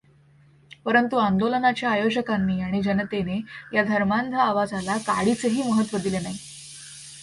परंतु आंदोलनाच्या आयोजकांनी आणि जनतेने या धर्मांध आवाजाला काडीचेही महत्त्व दिले नाही.